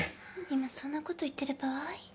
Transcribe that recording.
今そんな事言ってる場合？